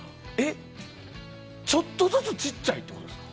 ちょっとずつ小さいってことですか？